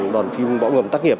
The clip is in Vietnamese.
đoàn phim bão ngầm tắt nghiệp